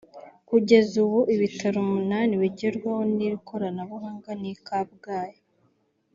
Kugeza ubu ibitaro umunani bigerwaho n’iri koranabuhanga ni Kabgayi